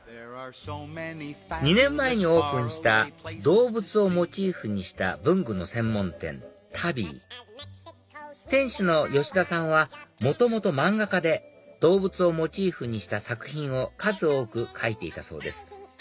２年前にオープンした動物をモチーフにした文具の専門店タビー店主の吉田さんは元々漫画家で動物をモチーフにした作品を数多く描いていたそうです